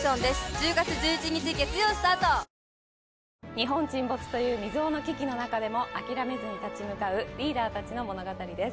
日本沈没という未曽有の危機の中でも諦めずに立ち向かうリーダーたちの物語です